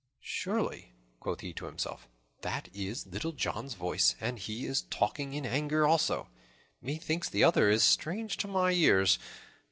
"Surely," quoth he to himself, "that is Little John's voice, and he is talking in anger also. Methinks the other is strange to my ears.